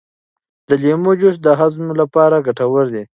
د لیمو جوس د هضم لپاره ګټور دی.